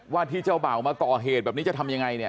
ว่าที่เจ้าเบ่ามาก่อเหตุแบบนี้จะทำยังไงเนี่ย